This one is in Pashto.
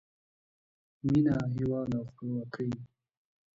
مینه، هیواد او خپلواکۍ